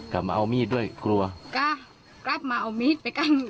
กลับมาเอามีดด้วยกลัวกล้ากลับมาเอามีดไปกั้น